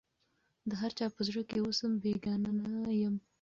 د هر چا په زړه کي اوسم بېګانه یم